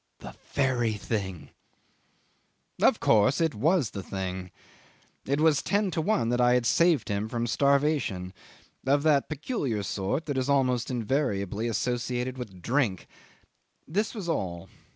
"The very thing ..." 'Of course it was the thing. It was ten to one that I had saved him from starvation of that peculiar sort that is almost invariably associated with drink. This was all.